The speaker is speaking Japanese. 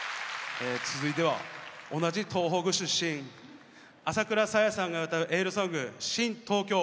え続いては同じ東北出身朝倉さやさんが歌うエールソング「新・東京」。